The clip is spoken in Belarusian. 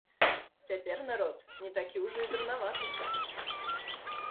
Цяпер народ не такі ўжо і дурнаваты!